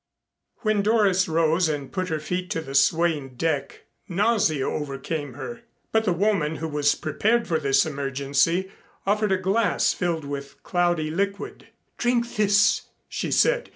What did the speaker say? When Doris rose and put her feet to the swaying deck, nausea overcame her. But the woman, who was prepared for this emergency, offered a glass filled with cloudy liquid. "Drink this," she said.